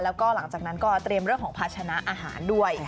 แล้วก็หลังจากนั้นก็เตรียมเรื่องของภาชนะอาหารด้วย